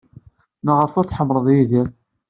Maɣef ur tḥemmleḍ Yidir?